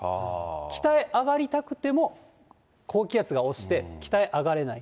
北へ上がりたくても、高気圧が押して北へ上がれない。